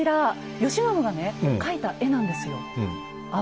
慶喜がね描いた絵なんですよ。